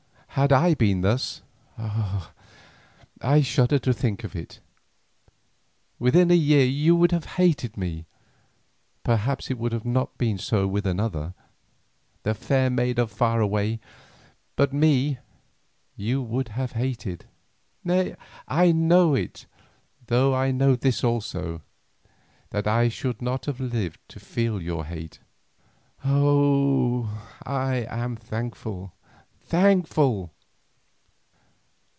Had I been thus—ah! I shudder to think of it—within a year you would have hated me. Perhaps it had not been so with another, the fair maid of far away, but me you would have hated. Nay, I know it, though I know this also, that I should not have lived to feel your hate. Oh! I am thankful, thankful."